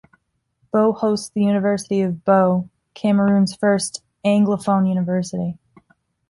Buea hosts the University of Buea, Cameroon's first anglophone university.